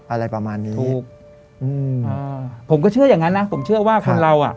อะไรประมาณนี้ถูกอืมอ่าผมก็เชื่ออย่างงั้นนะผมเชื่อว่าคนเราอ่ะ